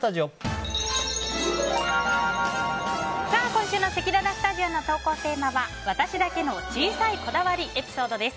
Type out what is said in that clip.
今週のせきららスタジオの投稿テーマは私だけの小さいこだわりエピソードです。